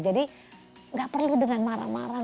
jadi gak perlu dengan marah marah